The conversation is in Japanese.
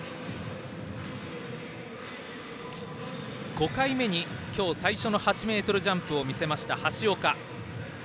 ５回目に今日最初の８ｍジャンプを見せた橋岡。